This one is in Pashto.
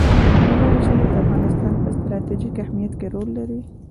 مزارشریف د افغانستان په ستراتیژیک اهمیت کې رول لري.